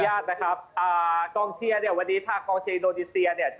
อาจจะขออนุญาตนะครับอ่ากองเชียวันนี้ภาคกองเชียวอินโดนีเซียเนี่ย